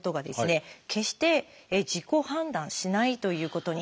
決して自己判断しないということになります。